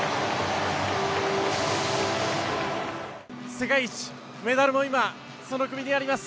世界一、メダルも今、その首にあります。